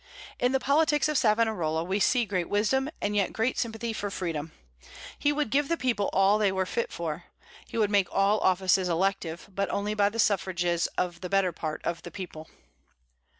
In the politics of Savonarola we see great wisdom, and yet great sympathy for freedom. He would give the people all that they were fit for. He would make all offices elective, but only by the suffrages of the better part of the people.